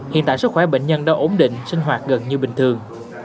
hiện tại sức khỏe bệnh nhân đã ổn định sinh hoạt gần như bình thường